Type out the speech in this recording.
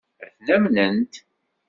Ad ten-amnent?